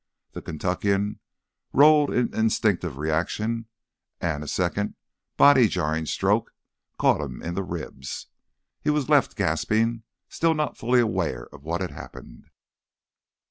The Kentuckian rolled in instinctive reaction and a second, body jarring stroke caught him in the ribs. He was left gasping, still not fully aware of what had happened.